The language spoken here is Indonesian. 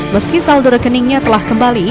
meski saldo rekeningnya telah kembali